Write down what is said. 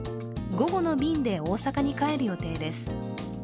午後の便で大阪に帰る予定です。